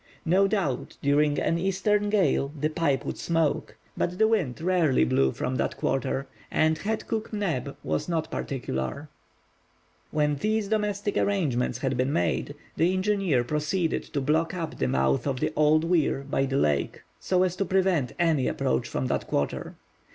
No doubt during an eastern gale the pipe would smoke, but the wind rarely blew from that quarter, and head cook Neb was not particular When these domestic arrangements had been made, the engineer proceeded to block up the mouth of the old weir by the lake, so as to prevent any approach from that quarter.